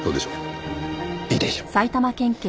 いいでしょう。